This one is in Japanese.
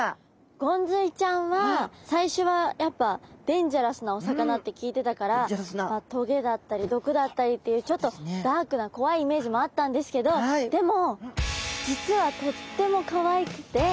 ゴンズイちゃんは最初はやっぱデンジャラスなお魚って聞いてたから棘だったり毒だったりっていうちょっとダークな怖いイメージもあったんですけどでも実はとってもかわいくてすごく好きになりました。